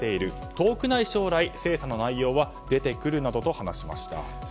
遠くない将来、精査の内容は出てくるなどと話しました。